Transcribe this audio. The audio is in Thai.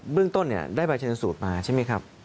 เรื่องต้นได้ไปชนสูตรมาใช่ไหมครับ